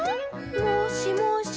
「もしもし？